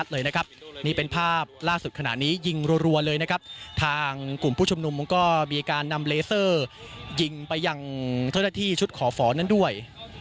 นี่เป็นภาพล่าสุดขณะนี้ยิงรัวเลยนะครับทางกลุ่มผู้ชุมนุมก็มีการนำเลเซอร์ยิงไปยังเจ้าหน้าที่ชุดขอฝอนั้นด้วย